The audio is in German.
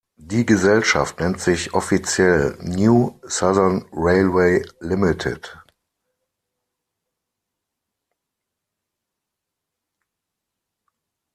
Die Gesellschaft nennt sich offiziell "New Southern Railway Ltd.